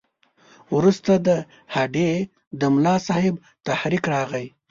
وروسته د هډې د ملاصاحب تحریک راغی.